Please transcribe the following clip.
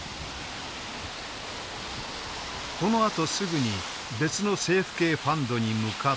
このあとすぐに別の政府系ファンドに向かった。